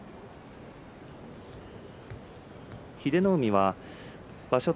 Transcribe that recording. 英乃海は場所